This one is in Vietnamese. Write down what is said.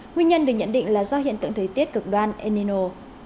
nguyên nhân được nhận định là do hiện tượng thời tiết cực đoan enino